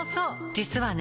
実はね